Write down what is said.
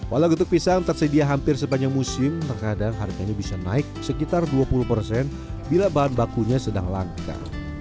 walau getuk pisang tersedia hampir sepanjang musim terkadang harganya bisa naik sekitar dua puluh persen bila bahan bakunya sedang langka